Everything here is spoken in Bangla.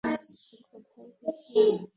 আর কোথাও গিয়েছিলেন?